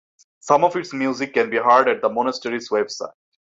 Some of its music can be heard at the monastery's website.